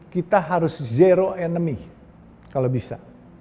kita harus zero enemy kalau bisa